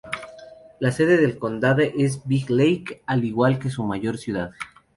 La sede del condado es Big Lake, al igual que su mayor ciudad.